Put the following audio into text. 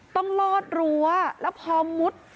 ต้องลอดรั้วแล้วพอมุด